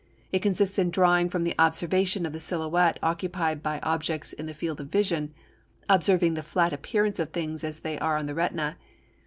It consists in drawing from the observation of the silhouette occupied by objects in the field of vision, observing the flat appearance of things as they are on the retina.